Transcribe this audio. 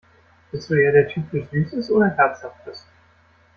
Bist du eher der Typ für Süßes oder Herzhaftes?